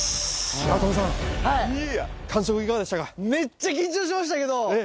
八乙女さん、めっちゃ緊張しましたけど。